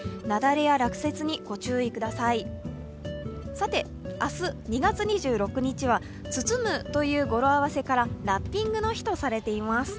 さて、明日２月２６日はつつむという語呂合わせからラッピングの日とされています。